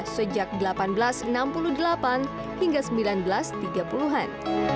sejak seribu delapan ratus enam puluh delapan hingga seribu sembilan ratus tiga puluh an